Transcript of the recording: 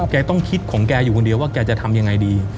แกต้องคิดของแกอยู่คนเดียวว่าแกจะทำยังไงดี